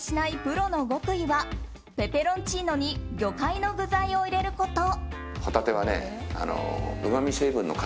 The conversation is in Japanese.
プロの極意はペペロンチーノに魚介の具材を入れること。